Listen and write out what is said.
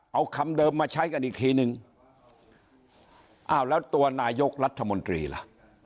เอาคำเดิมมาใช้กันอีกทีนึงอ้าวแล้วตัวนายกรัฐมนตรีล่ะ